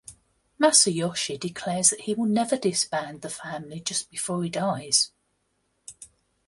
Masayoshi declares that he will never disband the family just before he dies.